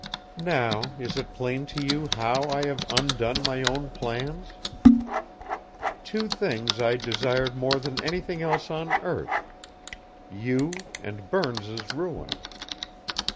"Now is it plain to you how I have undone my own plans? Two things I desired more than anything else on earth, you, and Burns's ruin.